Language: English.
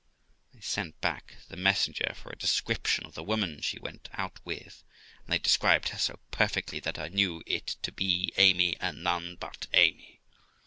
I sent back the messenger for a description of the woman she went out with; and they described her so perfectly, that I knew it to be Amy, and none but Amy.